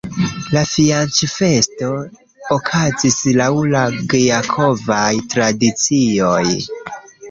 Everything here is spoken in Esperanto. La fianĉfesto okazis laŭ la gjakovaj tradicioj.